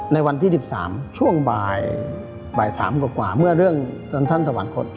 ในวันที่๑๓ช่วงบ่าย๓กว่าเมื่อเรื่องจนท่านสวรรคต